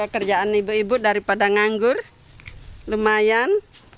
kerjaan ibu ibu daripada nganggur lumayan